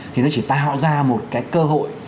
thì nó chỉ tạo ra một cái cơ hội